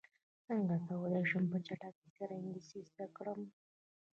څنګه کولی شم په چټکۍ سره انګلیسي زده کړم